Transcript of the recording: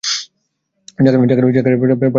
জাকারিয়া পাঠকের দিকে তাকালেন।